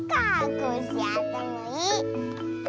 コッシーあったまいい！